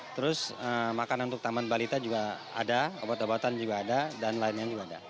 terus makanan untuk taman balita juga ada obat obatan juga ada dan lainnya juga ada